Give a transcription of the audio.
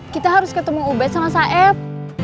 kita harus ketemu ubet sama saeb